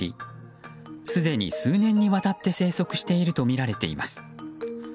すでに数年にわたって生息しているとみられています。